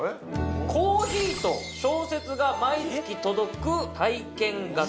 コーヒーと小説が毎月届く体験型